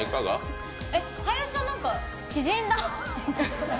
林さん縮んだ？